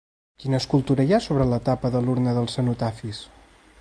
Quina escultura hi ha sobre la tapa de l'urna dels cenotafis?